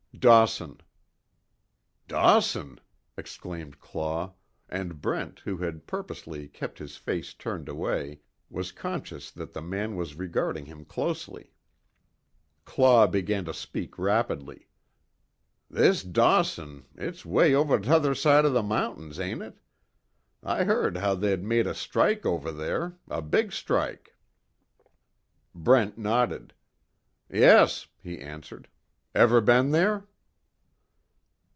"Dawson." "Dawson!" exclaimed Claw, and Brent, who had purposely kept his face turned away, was conscious that the man was regarding him closely. Claw began to speak rapidly, "This Dawson, it's way over t'other side the mountains, ain't it? I heard how they'd made a strike over there a big strike." Brent nodded: "Yes," he answered. "Ever been there?"